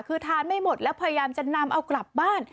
คือทานไม่หมดแล้วพยายามจะนำเอากลับบ้าน